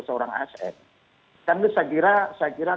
seorang asn kan itu saya kira